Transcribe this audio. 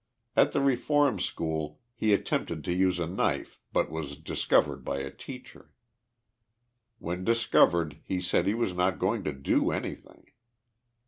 At the Reform School lie attempted to use a knife but was discovered by a teacher. When discovered lie said he was not going to do anything.